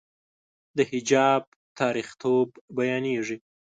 د حجاب تاریخيتوب بیانېږي.